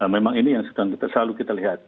memang ini yang selalu kita lihat